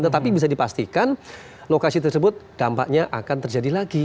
tetapi bisa dipastikan lokasi tersebut dampaknya akan terjadi lagi